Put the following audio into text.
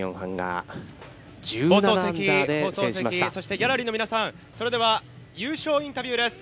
ギャラリーの皆さん、それでは、優勝インタビューです。